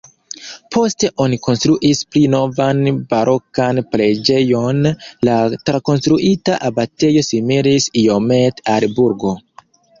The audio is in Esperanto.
Poste oni konstruis pli novan barokan preĝejon, la trakonstruita abatejo similis iomete al burgo.